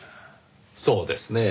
そうですねぇ。